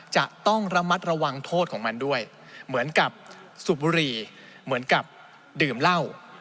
จะต้องระมัดระวังโทษของมันด้วยเหมือนกับสูบบุหรี่เหมือนกับดื่มเหล้า